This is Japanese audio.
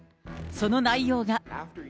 その内容が。